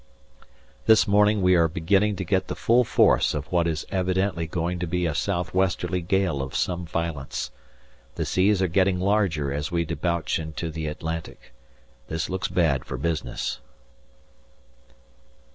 This morning we are beginning to get the full force of what is evidently going to be a south westerly gale of some violence. The seas are getting larger as we debouch into the Atlantic. This looks bad for business.